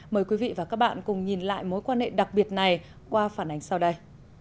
mời quý vị và các bạn cùng nhìn lại mối quan hệ đặc biệt này qua phản ánh sau đây